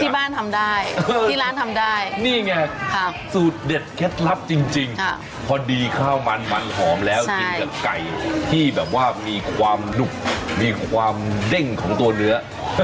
ที่บ้านทำได้ที่ร้านทำได้นี่ไงสูตรเด็ดเคล็ดลับจริงพอดีข้าวมันมันหอมแล้วกินกับไก่ที่แบบว่ามีความหนุบมีความเด้งของตัวเนื้อ